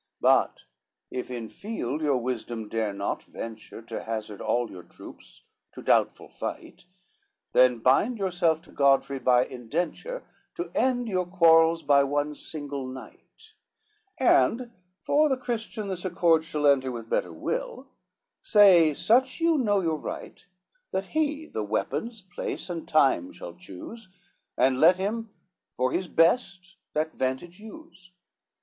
VII "But if in field your wisdom dare not venture To hazard all your troops to doubtful fight, Then bind yourself to Godfrey by indenture, To end your quarrels by one single knight: And for the Christian this accord shall enter With better will, say such you know your right That he the weapons, place and time shall choose, And let him for his best, that vantage use.